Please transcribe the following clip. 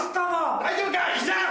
大丈夫か？